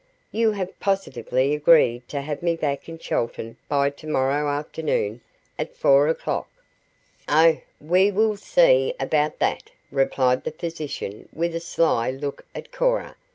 You have positively agreed to have me back in Chelton by to morrow afternoon at four o'clock." "Oh, we will see about that," replied the physician with a sly look at Cora.